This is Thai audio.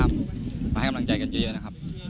มาให้กำลังใจกันเยอะนะครับ